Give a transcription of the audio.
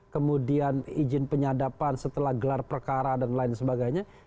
kemudian penyandapan setelah gelar perkara dan lainnya